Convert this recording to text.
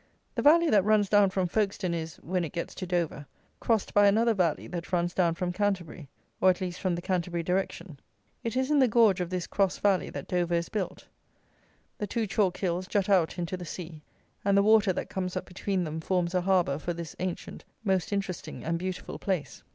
The valley that runs down from Folkestone is, when it gets to Dover, crossed by another valley that runs down from Canterbury, or, at least, from the Canterbury direction. It is in the gorge of this cross valley that Dover is built. The two chalk hills jut out into the sea, and the water that comes up between them forms a harbour for this ancient, most interesting, and beautiful place.